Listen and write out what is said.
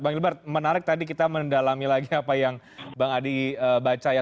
bang ilbar menarik tadi kita mendalami lagi apa yang bang adi baca ya